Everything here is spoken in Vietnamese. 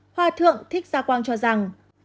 hỏa thượng thích gia quang cho rằng